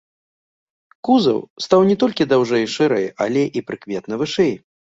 Кузаў стаў не толькі даўжэй і шырэй, але і прыкметна вышэй.